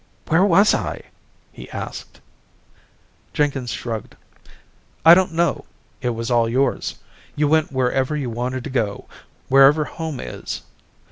"Where was I?" he asked. Jenkins shrugged. "I don't know. It was all yours. You went wherever you wanted to go, wherever home is."